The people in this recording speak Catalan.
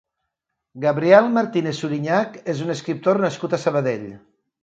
Gabriel Martínez Surinyac és un escriptor nascut a Sabadell.